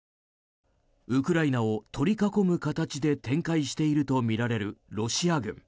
ウクライナを取り囲む形で展開しているとみられるロシア軍。